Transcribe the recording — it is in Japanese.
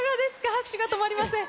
拍手が止まりません。